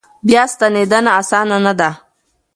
بیا ستنېدنه اسانه نه ده.